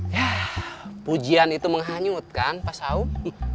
ya pujian itu menghanyutkan pak saum